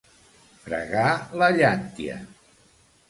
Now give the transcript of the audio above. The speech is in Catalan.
Fregar la llàntia.